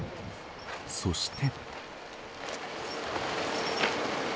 そして。